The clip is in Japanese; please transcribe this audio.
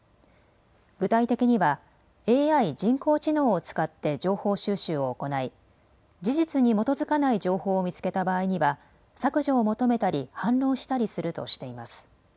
具体的にはＡＩ・人工知能を使って情報収集を行い事実に基づかない情報を見つけた場合には削除を求めたり反論したりするとしています。